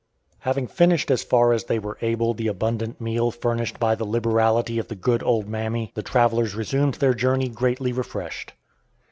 Having finished as far as they were able the abundant meal furnished by the liberality of the good "old mammy," the travelers resumed their journey greatly refreshed.